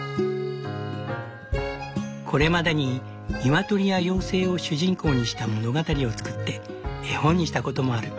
これまでに鶏や妖精を主人公にした物語を作って絵本にしたこともある。